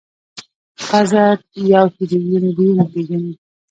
پزه یو ټریلیون بویونه پېژني.